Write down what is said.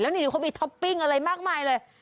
นี่เขามีท็อปปิ้งอะไรมากมายเลย